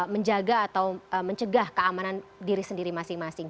menjaga atau mencegah keamanan diri sendiri masing masing